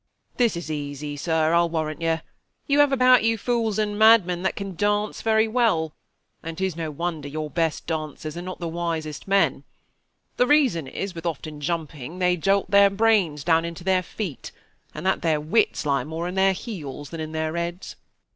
Lol. This is easy, sir, I'll warrant you: you have about you fools and madmen that can dance very well; and 'tis no wonder, your best dancers are not the wisest men; the 270 reason is, with often jumping they jolt their brains down into their feet, that their wits lie more in their heels than in their heads.